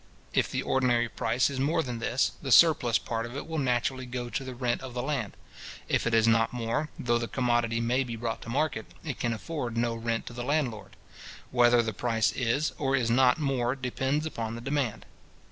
If the ordinary price is more than this, the surplus part of it will naturally go to the rent of the land. If it is not more, though the commodity may be brought to market, it can afford no rent to the landlord. Whether the price is, or is not more, depends upon the demand.